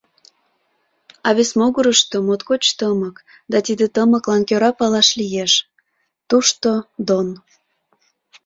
А вес могырышто моткоч тымык, да тиде тымыклан кӧра палаш лиеш: тушто Дон.